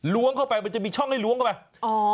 เข้าไปมันจะมีช่องให้ล้วงเข้าไป